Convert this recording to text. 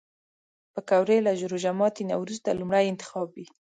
پکورې له روژه ماتي نه وروسته لومړی انتخاب وي